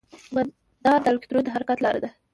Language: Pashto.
مدار د الکترون د حرکت لاره ده.